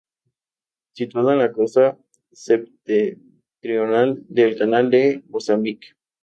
Situada en la costa septentrional del canal de Mozambique.